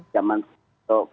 zaman ke dua belas ke dua belas